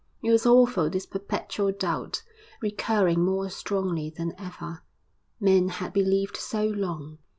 It was awful this perpetual doubt, recurring more strongly than ever. Men had believed so long.